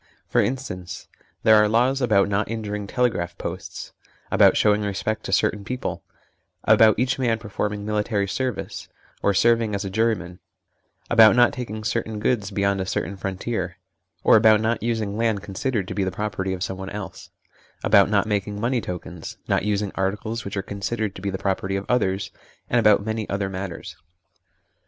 For instance, there are laws about not injuring telegraph posts ; about showing respect to certain people ; about each man performing military service, 1 or serving as a juryman ; about not taking certain goods beyond a certain frontier ; or about not using land considered to be the property of someone else ; about not making money tokens ; not using articles which are considered to be the property of others, and about many other matters.